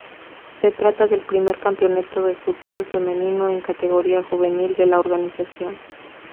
Se trata del primer campeonato de fútbol femenino en categoría juvenil de la organización.